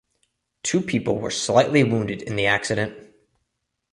Two people were slightly wounded in the accident.